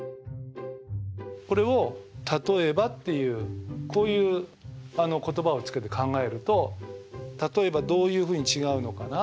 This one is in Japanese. これを「例えば」っていうこういう言葉を付けて考えると例えばどういうふうに違うのかな。